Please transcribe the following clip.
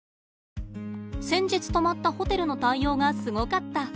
「先日泊まったホテルの対応がすごかった」。